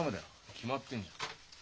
決まってんじゃん。